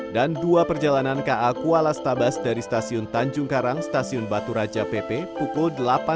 dan dua perjalanan ka kuala stabas dari stasiun tanjung karang stasiun batu raja pp pukul delapan tiga puluh